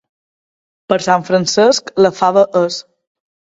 Per Sant Francesc, la fava és.